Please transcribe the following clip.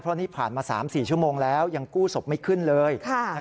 เพราะนี่ผ่านมา๓๔ชั่วโมงแล้วยังกู้ศพไม่ขึ้นเลย